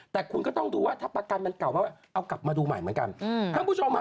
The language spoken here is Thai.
แต่คุณต้องดูว่าถ้าประกันเขาออกมากราบนั้นก็เลยดูใหม่